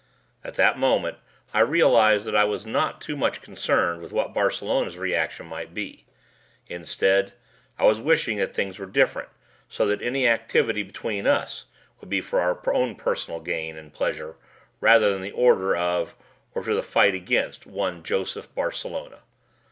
At that moment I realized that I was not too much concerned with what Barcelona's reaction might be. Instead, I was wishing that things were different so that any activity between us would be for our own personal gain and pleasure rather than the order of or the fight against one Joseph Barcelona.